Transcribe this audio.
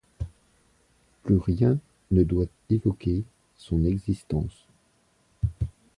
Plus rien ne doit évoquer son existence.